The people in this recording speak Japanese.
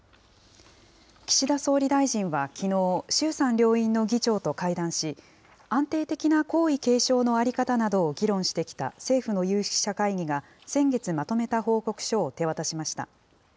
岸田総理大臣はきのう、衆参両院の議長と会談し、安定的な皇位継承の在り方などを議論してきた政府の有識者会議が先月まとめた報告書を手渡しました。